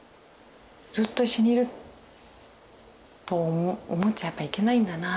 ずっと一緒にいると思っちゃやっぱいけないんだなって。